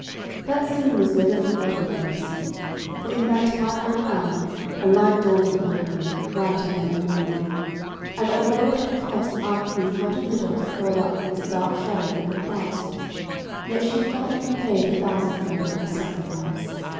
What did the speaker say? That scene was never forgotten by Bessie; for in that twilight hour, a light dawned upon her, brighter than the morning. And, although it had cost Aunt Ruth not a little to call up this dark shadow from the past, yet she felt repaid a thousandfold for her sacrifice.